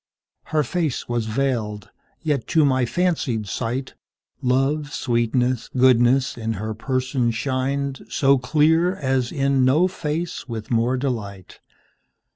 Her face was veiled; yet to my fancied sightLove, sweetness, goodness, in her person shinedSo clear as in no face with more delight.